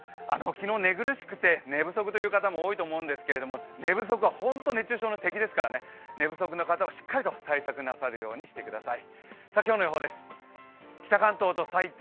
昨日、寝苦しくて寝不足という方も多いと思いますけれども寝不足はホント、熱中症の敵ですからね、寝不足の方はしっかりと対策なさるようにしてください。